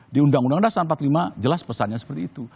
di undang undang dasar empat puluh lima jelas pesannya seperti itu